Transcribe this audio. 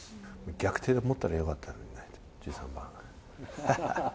逆手に持ったらよかったのにね、１３番。